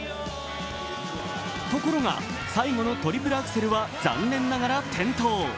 ところが、最後のトリプルアクセルは残念ながら転倒。